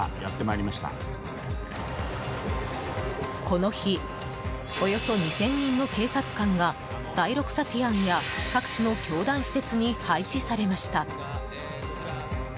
この日およそ２０００人の警察官が第６サティアンや各地の教団施設に配置されました。